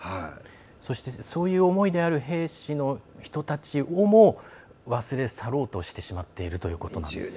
そういう思いである兵士の人たちをも忘れ去ろうとしてしまっているということなんですね。